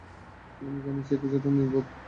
আমি জানি সে কিছুটা নির্বোধ।